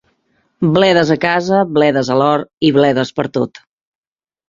Bledes a casa, bledes a l'hort i bledes per tot.